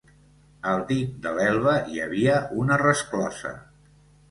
Al dic de l'Elba hi havia una resclosa.